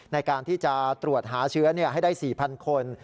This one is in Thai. ในการที่จะตรวจหาเชื้อให้ได้๔๐๐คน